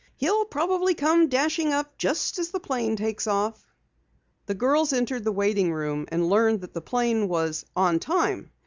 "He'll probably come dashing up just as the plane takes off." The girls entered the waiting room and learned that the plane was "on time."